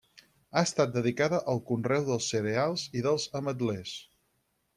Ha estat dedicada al conreu dels cereals i dels ametlers.